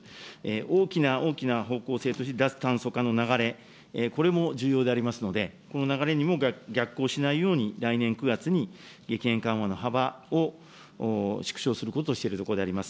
大きな大きな方向性として脱炭素化の流れ、これも重要でありますので、この流れにも逆行しないように、来年９月に激変緩和の幅を縮小することとしているところであります。